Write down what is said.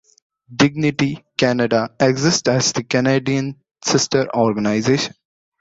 Dignity Canada exists as the Canadian sister organization.